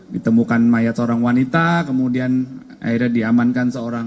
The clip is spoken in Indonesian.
ditemukan mayat seorang wanita kemudian akhirnya diamankan seorang